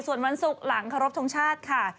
ส่วนวันศุกร์หลังเคารพทงชาติค่ะ